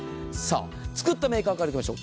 作ったメーカーからいきましょう。